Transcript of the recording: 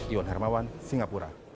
iwan hermawan singapura